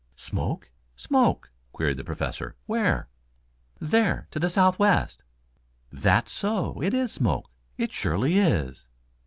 "Smoke, smoke?" queried the Professor. "Where?" "There, to the southwest." "That's so, it is smoke. It surely is."